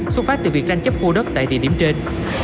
xuất phát từ việc tranh chấp khu đất tại địa điểm trên